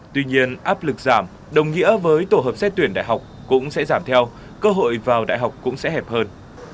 tuy nhiên áp lực giảm đồng nghĩa với tổ hợp xét tuyển đại học cũng sẽ giảm theo cơ hội vào đại học cũng sẽ hẹp hơn